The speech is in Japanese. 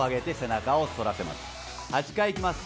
８回いきます